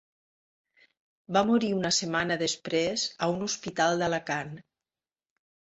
Va morir una setmana després a un hospital d'Alacant.